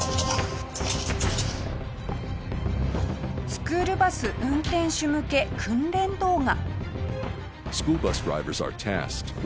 スクールバス運転手向け訓練動画。